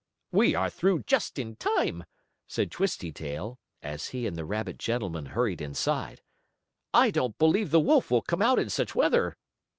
"We are through just in time," said Twisty Tail, as he and the rabbit gentleman hurried inside. "I don't believe the wolf will come out in such weather."